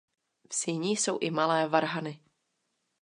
V síni jsou i malé varhany.